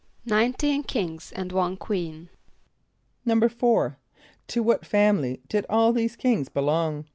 =Nineteen kings and one queen.= =4.= To what family did all these kings belong?